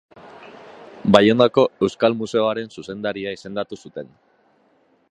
Baionako Euskal Museoaren zuzendaria izendatu zuten.